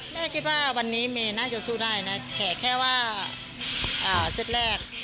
แม่คิดว่าวันนี้เมย์น่าจะสู้ได้นะแขกแค่ว่าเซตแรก